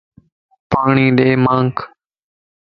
پاڻي ڏي مانک